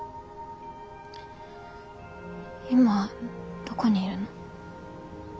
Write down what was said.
今どこにいるの？